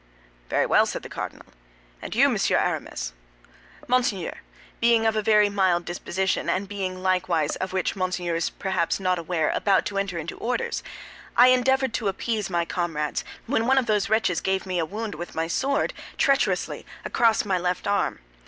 "Very well," said the cardinal; "and you, Monsieur Aramis?" "Monseigneur, being of a very mild disposition, and being, likewise, of which Monseigneur perhaps is not aware, about to enter into orders, I endeavored to appease my comrades, when one of these wretches gave me a wound with a sword, treacherously, across my left arm.